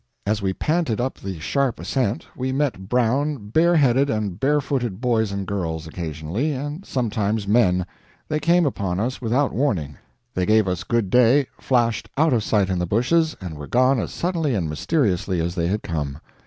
As we panted up the sharp ascent, we met brown, bareheaded and barefooted boys and girls, occasionally, and sometimes men; they came upon us without warning, they gave us good day, flashed out of sight in the bushes, and were gone as suddenly and mysteriously as they had come.